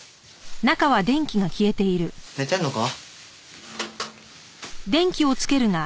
寝てんのか？